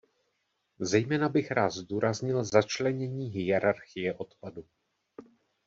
Zejména bych rád zdůraznil začlenění hierarchie odpadu.